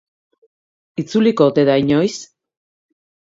Itzuliko ote da inoiz?